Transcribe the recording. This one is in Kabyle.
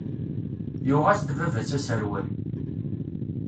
Yuɣ-as-d baba-s aserwal.